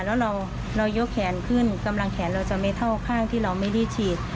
แล้วเรายกแขนขึ้นกำลังแขนเราจะไม่เท่าข้างที่เราไม่ได้ฉีด